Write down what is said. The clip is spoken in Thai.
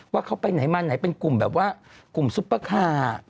ว่าเขาไปไหนมาไหนเป็นกลุ่มแบบว่ากลุ่มซุปเปอร์คาร์